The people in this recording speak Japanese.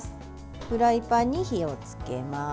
フライパンに火をつけます。